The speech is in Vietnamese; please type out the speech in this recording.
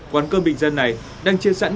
quán cơm bình dân này đang chia sẵn